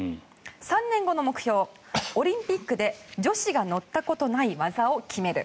３年後の目標、オリンピックで女子が乗ったことがない技を決める！